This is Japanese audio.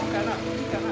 いいかな？